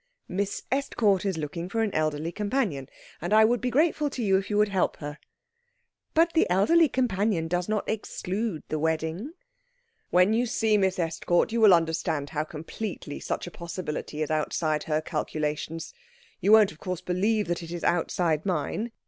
"Miss Estcourt is looking for an elderly companion, and I would be grateful to you if you would help her." "But the elderly companion does not exclude the wedding." "When you see Miss Estcourt you will understand how completely such a possibility is outside her calculations. You won't of course believe that it is outside mine.